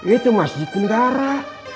itu masjid negara